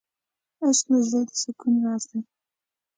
عشق د زړه د سکون راز دی.